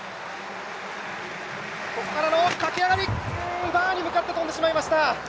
ここからの駆け上がり、バーに向かって跳んでしまいました。